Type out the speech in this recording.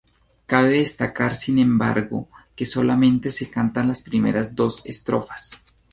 Cabe destacar sin embargo, que solamente se cantan las primeras dos estrofas.